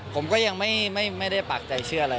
ผมก็ยังไม่ได้ปากใจเชื่ออะไร